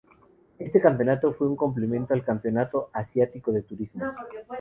Este campeonato fue un complemento al Campeonato Asiático de Turismos.